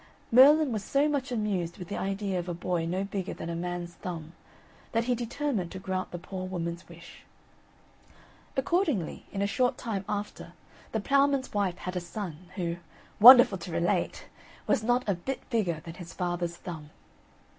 Merlin was so much amused with the idea of a boy no bigger than a man's thumb, that he determined to grant the poor woman's wish. Accordingly, in a short time after, the ploughman's wife had a son, who, wonderful to relate! was not a bit bigger than his father's thumb.